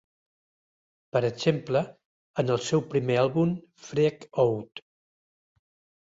Per exemple, en el seu primer àlbum, "Freak Out!"